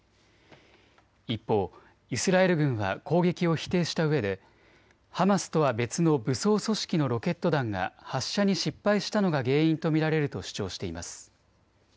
一方、イスラエル軍は攻撃を否定したうえでハマスとは別の武装組織のロケット弾が発射に失敗したのが原因と見られると主張しています。